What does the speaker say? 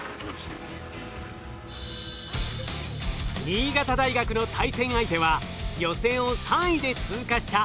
新潟大学の対戦相手は予選を３位で通過した